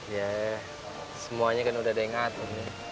ya semuanya kan udah ada yang ngatur